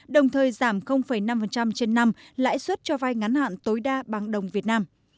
đồng thời giảm năm trên năm lãi suất cho vai ngắn hạn tối đa bằng đồng việt nam